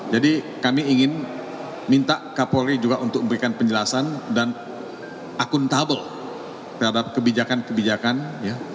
jadi kami ingin minta kapolri juga untuk memberikan penjelasan dan akuntabel terhadap kebijakan kebijakan ya